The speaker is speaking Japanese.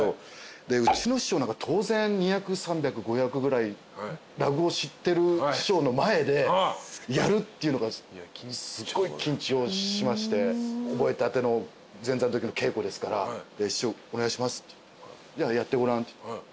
うちの師匠なんか当然２００３００５００ぐらい落語知ってる師匠の前でやるっていうのがすごい緊張しまして覚えたての前座のときの稽古ですから「師匠お願いします」「やってごらん」